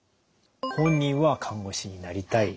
本人は看護師になりたい。